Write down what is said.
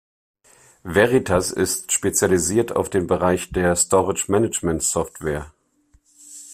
Veritas ist spezialisiert auf den Bereich der Storage Management Software.